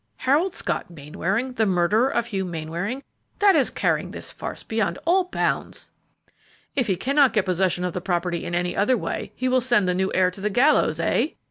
"Harold Scott Mainwaring the murderer of Hugh Mainwaring! That is carrying this farce beyond all bounds!" "If he cannot get possession of the property in any other way, he will send the new heir to the gallows, eh?"